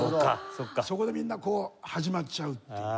そこでみんなこう始まっちゃうっていう。